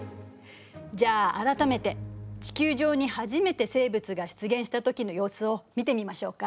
じゃあ改めて地球上に初めて生物が出現した時の様子を見てみましょうか。